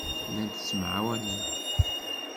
Llant ttemɛawanent.